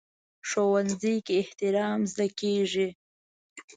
ښوونځی کې احترام زده کېږي